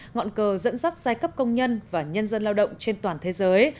ngọn cờ dẫn dắt giai cấp công nhân và nhân dân lao động trên toàn thế giới